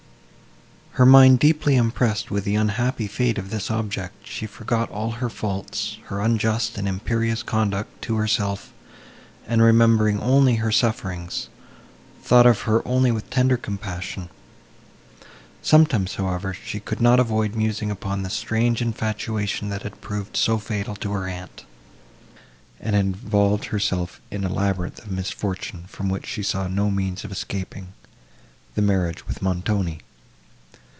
Her mind deeply impressed with the unhappy fate of this object, she forgot all her faults, her unjust and imperious conduct to herself; and, remembering only her sufferings, thought of her only with tender compassion. Sometimes, however, she could not avoid musing upon the strange infatuation that had proved so fatal to her aunt, and had involved herself in a labyrinth of misfortune, from which she saw no means of escaping,—the marriage with Montoni.